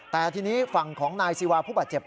แต่ทีนี้ฝั่งของนายศิวาผู้บาดเจ็บ